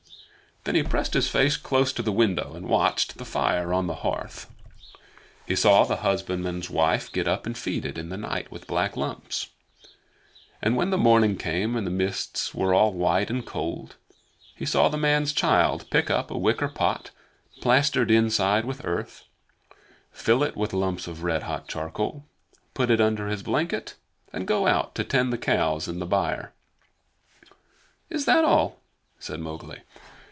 Then he pressed his face close to the window and watched the fire on the hearth. He saw the husbandman's wife get up and feed it in the night with black lumps. And when the morning came and the mists were all white and cold, he saw the man's child pick up a wicker pot plastered inside with earth, fill it with lumps of red hot charcoal, put it under his blanket, and go out to tend the cows in the byre. "Is that all?" said Mowgli.